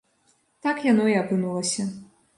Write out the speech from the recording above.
Так яно і апынулася.